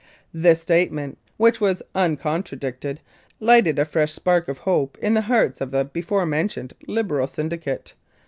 This statement, which was uncontradicted, lighted a fresh spark of hope in the hearts of the before mentioned Liberal syndicate.